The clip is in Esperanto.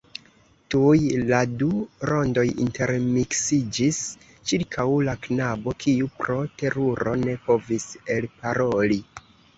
Tuj la du rondoj intermiksiĝis ĉirkaŭ la knabo, kiu pro teruro ne povis elparoli.